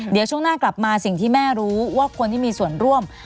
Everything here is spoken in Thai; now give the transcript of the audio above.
เดี๋ยวช่วงหน้ากลับมาสิ่งที่แม่รู้ว่าคนที่มีส่วนร่วม